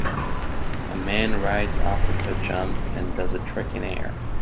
A man rides off of a jump and does a trick in air